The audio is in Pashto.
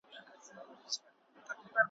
هغه زوى چي يې تر ټولو كشرى وو ,